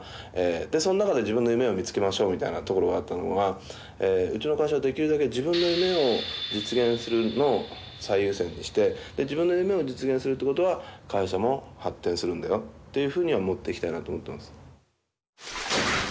でその中で自分の夢を見つけましょうみたいなところがあったのがうちの会社はできるだけ自分の夢を実現するのを最優先にして自分の夢を実現するってことは会社も発展するんだよっていうふうには持っていきたいなと思ってます。